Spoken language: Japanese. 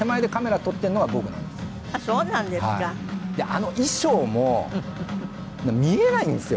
あの衣装も見えないんですよ。